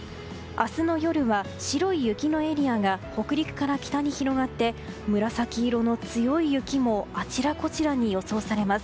明日の夜は、白い雪のエリアが北陸から北に広がって紫色の強い雪もあちらこちらに予想宇されます。